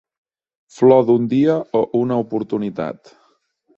Flor d'un dia o una oportunitat?